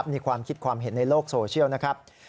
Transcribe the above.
มีความคิดความเห็นในโลกโซเชียลนะครับ